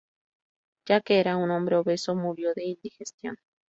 Ya que era un hombre obeso, murió de "indigestión".